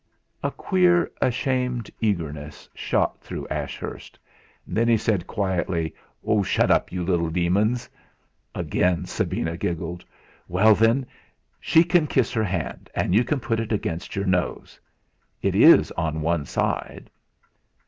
A queer, ashamed eagerness shot through Ashurst: then he said quietly: "Shut up, you little demons!" Again Sabina giggled. "Well, then, she can kiss her hand, and you can put it against your nose. It is on one side!"